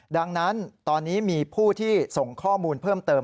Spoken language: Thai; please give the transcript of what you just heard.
ดังนั้นตอนนี้มีผู้ที่ส่งข้อมูลเพิ่มเติม